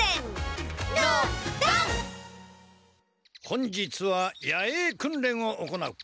本日は野営訓練を行う！